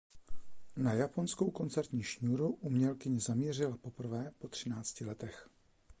Na japonskou koncertní šňůru umělkyně zamířila poprvé po třinácti letech.